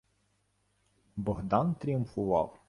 Богдан тріумфував: